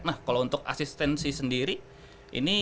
nah kalau untuk asistensi sendiri ini